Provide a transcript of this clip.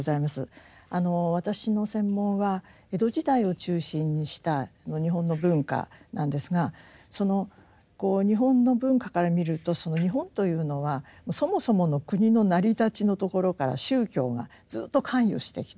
私の専門は江戸時代を中心にした日本の文化なんですがその日本の文化から見ると日本というのはそもそもの国の成り立ちのところから宗教がずっと関与してきた。